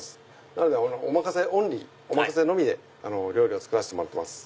なのでお任せのみで料理を作らせてもらってます。